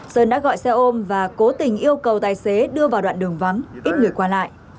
sơn đã gọi xe ôm và cố tình yêu cầu tài xế đưa vào đoạn đường vắng ít người qua lại